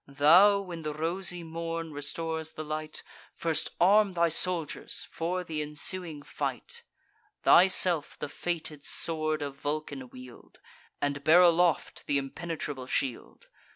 Thou, when the rosy morn restores the light, First arm thy soldiers for th' ensuing fight: Thyself the fated sword of Vulcan wield, And bear aloft th' impenetrable shield.